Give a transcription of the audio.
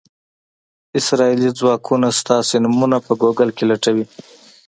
اسرائیلي ځواکونه ستاسو نومونه په ګوګل کې لټوي.